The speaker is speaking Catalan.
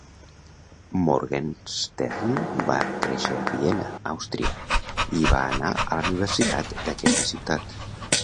Morgenstern va créixer a Viena, Àustria, i va anar a la universitat d'aquesta ciutat.